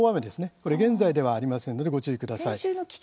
これは現在ではありませんのでご注意ください。